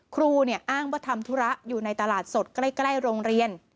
ครูอ้างว่าทำธุระอยู่ในตลาดสดใกล้โรงเรียน